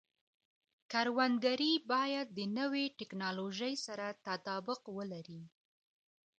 کروندګري باید د نوې ټکنالوژۍ سره تطابق ولري.